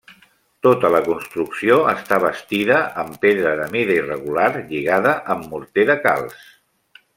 Tota la construcció està bastida amb pedra de mida irregular lligada amb morter de calç.